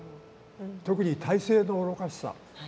特に体制の愚かしさ。